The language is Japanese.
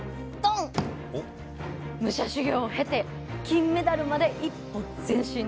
武者修行を経て金メダルまで一歩前進ですね。